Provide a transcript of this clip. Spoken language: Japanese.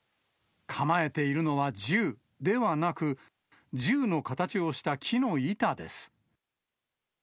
構えているのは銃ではなく、銃の形をした木の板です。